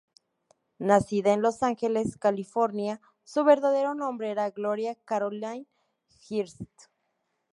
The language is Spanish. Nacida en Los Ángeles, California, su verdadero nombre era Gloria Carolyn Hirst.